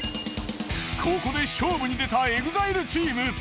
ここで勝負に出たＥＸＩＬＥチーム。